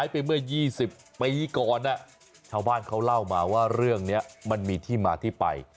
ไปเมื่อ๒๐ปีก่อนชาวบ้านเขาเล่ามาว่าเรื่องนี้มันมีที่มาที่ไป